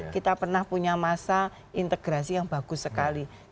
kita pernah punya masa integrasi yang bagus sekali